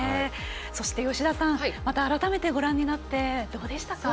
そして、吉田さんまた改めてご覧になってどうでしたか？